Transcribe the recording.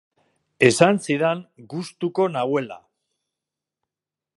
Esan zidan gustuko nauela.